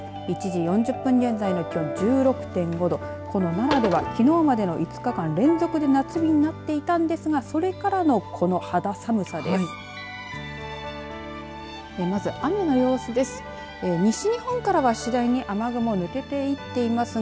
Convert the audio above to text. １時４０分現在の気温１６．５度この奈良ではきのうまでの５日間連続で夏日になっていたんですがそれからのこの肌寒さです。